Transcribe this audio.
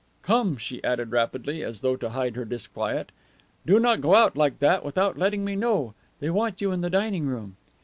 "Come," she added rapidly, as though to hide her disquiet, "do not go out like that without letting me know. They want you in the dining room."